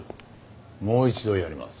もう一度やります。